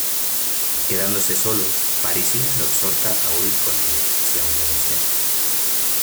Quedándose solos, Parisina lo exhorta a huir con ella, si aún lo desea.